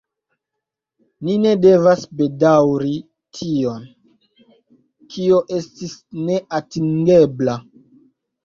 Ni ne devas bedaŭri tion, kio estis neatingebla.